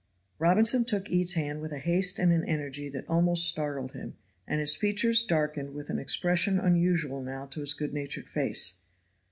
Robinson took Ede's hand with a haste and an energy that almost startled him, and his features darkened with an expression unusual now to his good natured face.